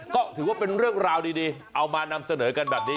ก็ถือว่าเป็นเรื่องราวดีเอามานำเสนอกันแบบนี้